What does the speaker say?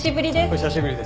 お久しぶりです。